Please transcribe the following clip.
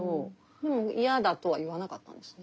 でも嫌だとは言わなかったんですね。